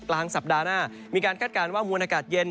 กลางสัปดาห์หน้ามีการคาดการณ์ว่ามวลอากาศเย็น